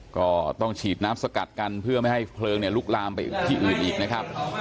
ก็ต้องฉีดน้ำสกัดกันเพื่อไม่ให้เพลิงลุกลามไปที่อื่นอีกนะครับ